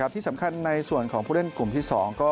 ที่สำคัญในส่วนของผู้เล่นกลุ่มที่๒